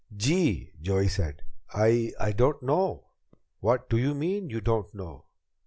"Gee," Joey said, "I I don't know." "What do you mean, you don't know?